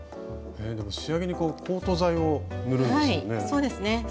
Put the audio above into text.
でも仕上げにコート剤を塗るんですよね？